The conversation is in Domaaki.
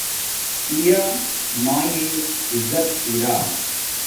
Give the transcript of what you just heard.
پیا مایے عزت ارا